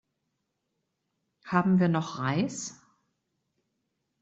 Haben wir noch Reis?